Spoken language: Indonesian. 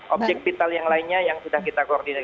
objek vital yang lainnya yang sudah kita koordinasi